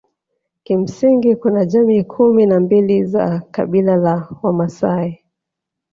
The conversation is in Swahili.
Kimsingi kuna jamii kumi na mbili za kabila la Wamasai